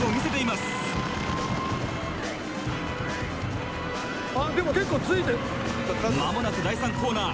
まもなく第３コーナー。